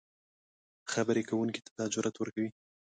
خبرې کوونکي ته دا جرات ورکوي